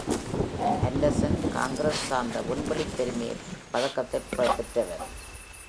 Anderson, Congress சார்ந்த விண்வெளிப் பெருமைப் பதக்கத்தைப் பெற்றவர்.